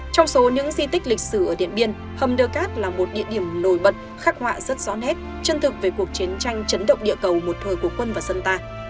trong số những di tích lịch sử ở điện biên hầm đỡ cát là một địa điểm nổi bật khắc họa rất rõ nét chân thực về cuộc chiến tranh chấn động địa cầu một thời của quân và dân ta